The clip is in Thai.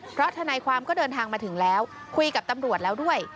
เพราะทนายความก็เดินทางมาถึงแล้วคุยกับตำรวจแล้วด้วย